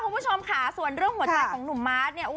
คุณผู้ชมค่ะส่วนเรื่องหัวใจของหนุ่มมาร์ทเนี่ย